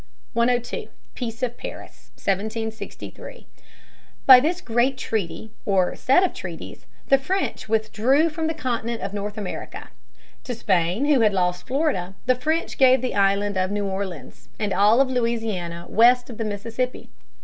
[Sidenote: Peace of Paris, 1763.] 102. Peace of Paris, 1763. By this great treaty, or set of treaties, the French withdrew from the continent of North America. To Spain, who had lost Florida, the French gave the island of New Orleans and all of Louisiana west of the Mississippi.